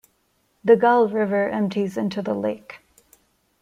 The Gull River empties into the lake.